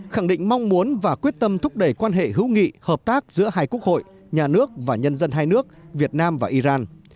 khẳng định mong muốn và quyết tâm thúc đẩy quan hệ hữu nghị hợp tác giữa hai quốc hội nhà nước và nhân dân hai nước việt nam và iran